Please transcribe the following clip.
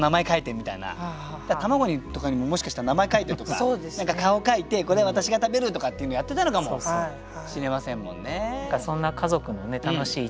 玉子とかにももしかしたら名前描いてとか顔描いて「これ私が食べる」とかっていうのやってたのかもしれませんもんね。